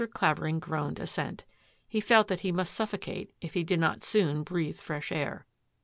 Clavering groaned assent. He felt that he must suffocate if he did not soon breathe fresh air.